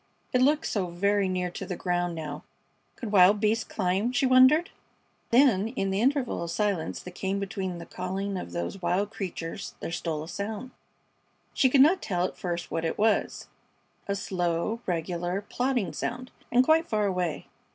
It looked so very near to the ground now. Could wild beasts climb, she wondered? Then in the interval of silence that came between the calling of those wild creatures there stole a sound. She could not tell at first what it was. A slow, regular, plodding sound, and quite far away.